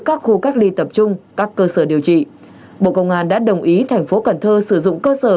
các khu cách ly tập trung các cơ sở điều trị bộ công an đã đồng ý thành phố cần thơ sử dụng cơ sở